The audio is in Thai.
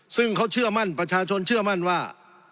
ซึ่งเขาเชื่อมั่นประชาชนเชื่อมั่นว่า